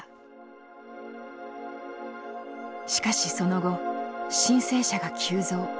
しかしその後申請者が急増。